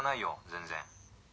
全然。